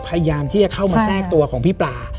พยายามที่จะเข้ามาแทรกตัวของพี่ปลา